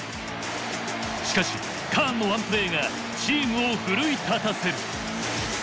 しかしカーンのワンプレーがチームを奮い立たせる。